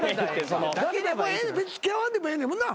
別に付き合わんでもええねんもんな？